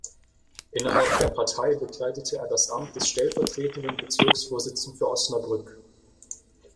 Innerhalb der Partei bekleidete er das Amt des stellvertretenden Bezirksvorsitzenden für Osnabrück.